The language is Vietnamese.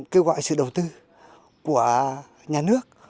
kêu gọi sự đầu tư của nhà nước